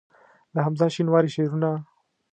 د حمزه شینواري شعرونه